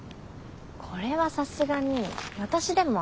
これはさすがに私でも分かるよ。